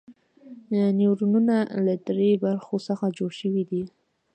نیورونونه له دریو برخو څخه جوړ شوي دي.